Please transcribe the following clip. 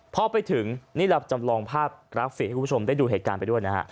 พอไปถึงนี่เราจำลองภาพกราฟิกให้คุณผู้ชมได้ดูเหตุการณ์ไปด้วยนะฮะ